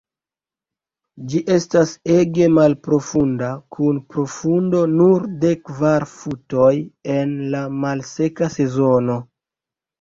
Ĝi estas ege malprofunda, kun profundo nur de kvar futoj en la malseka sezono.